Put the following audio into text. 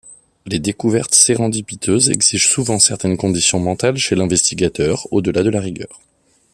Les découvertes sérendipiteuses exigent souvent certaines conditions mentales chez l'investigateur au-delà de la rigueur.